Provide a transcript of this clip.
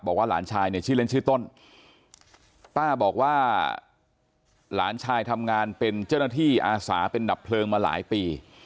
หลานชายเนี่ยชื่อเล่นชื่อต้นป้าบอกว่าหลานชายทำงานเป็นเจ้าหน้าที่อาสาเป็นดับเพลิงมาหลายปี